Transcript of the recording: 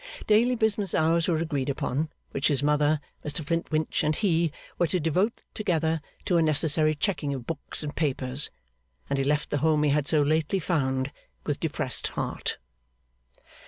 Daily business hours were agreed upon, which his mother, Mr Flintwinch, and he, were to devote together to a necessary checking of books and papers; and he left the home he had so lately found, with depressed heart.